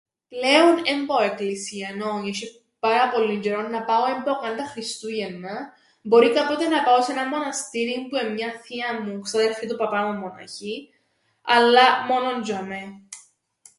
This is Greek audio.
Πλέον εν πάω εκκλησίαν, όι έσ̆ει πάρα πολλύν τζ̆αιρόν να πάω, εν πάω καν τα Χριστούγεννα. Μπορεί κάποτε να πάω σε έναν μοναστήριν, που εν' μια θεία μου, ξάδερφη του παπά μου μοναχή, αλλά μόνον τζ̆ειαμαί.